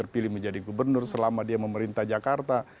pilih menjadi gubernur selama dia memerintah jakarta